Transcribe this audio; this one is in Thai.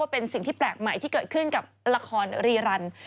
เป็นสิ่งที่แปลกใหม่ที่เกิดขึ้นกับละครรีรัน